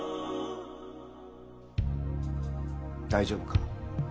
大丈夫か？